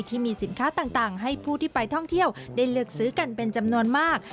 ที่มีสินค้าต่างให้ผู้ที่ไปท่องเที่ยวได้เลือกซื้อกันเป็นจำนวนมาก